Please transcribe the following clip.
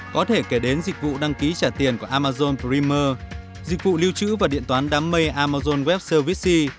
có thể kể đến dịch vụ đăng ký trả tiền của amazon primer dịch vụ lưu trữ và điện toán đám mây amazon wester visi